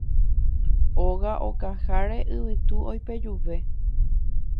Óga okaháre Yvytu oipejuve